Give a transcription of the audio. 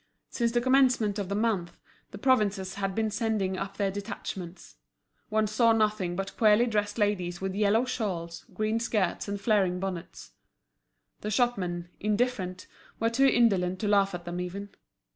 Since the commencement of the month, the provinces had been sending up their detachments; one saw nothing but queerly dressed ladies with yellow shawls, green skirts, and flaring bonnets. The shopmen, indifferent, were too indolent to laugh at them even.